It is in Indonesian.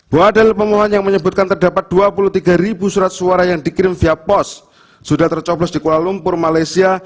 bahwa dalam pemohon yang menyebutkan terdapat dua puluh tiga surat suara yang dikirim via pos sudah tercoblos di kuala lumpur malaysia